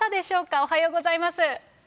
おはようございます。